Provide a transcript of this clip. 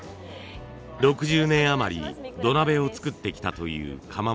６０年余り土鍋を作ってきたという窯元。